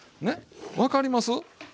分かります？